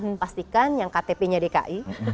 memastikan yang ktp nya dki